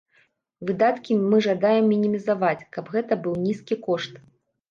Выдаткі мы жадаем мінімізаваць, каб гэта быў нізкі кошт.